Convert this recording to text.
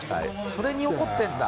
それに怒ってんだ。